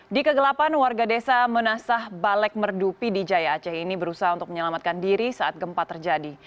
di kegelapan warga desa menasah balek merdu pidijaya aceh ini berusaha untuk menyelamatkan diri saat gempa terjadi